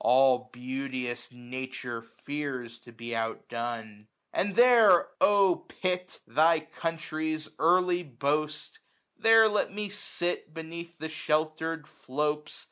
All beauteous Nature fears to be outdone. 1045 And there, O Pitt ! thy country's early boast^ There let me sit beneath the shelter'd flopes.